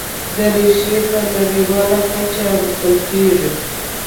دریشي په نړیواله کچه اغوستل کېږي.